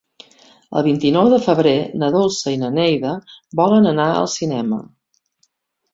El vint-i-nou de febrer na Dolça i na Neida volen anar al cinema.